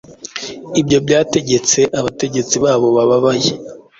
Ibyo byategetse abategetsi babo bababaye